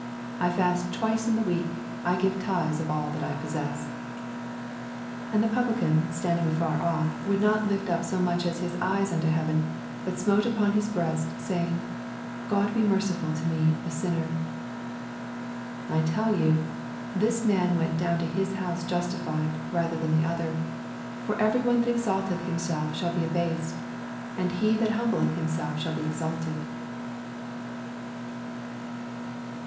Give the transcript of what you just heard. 12 I fast twice in the week, I give tithes of all that I possess. 13 And the publican, standing afar off, would not lift up so much as hia eyes unto heaven, but smote upon his breast, saying, God be merciful to me a sinner. 14 I tell you, this mwi went down to his house justified rather than the other : for every one that exalteth himself shall be abased ; and he that humbleth himself shall be exalted.